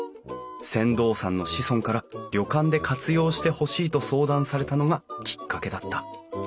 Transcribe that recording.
船頭さんの子孫から旅館で活用してほしいと相談されたのがきっかけだった。